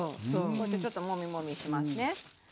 こうやってちょっともみもみしますね。